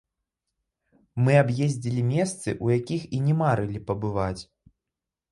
Мы аб'ездзілі месцы, у якіх і не марылі пабываць.